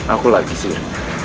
aku lagi sir